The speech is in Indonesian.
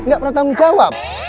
gak pernah tanggung jawab